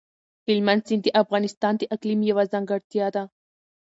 هلمند سیند د افغانستان د اقلیم یوه ځانګړتیا ده.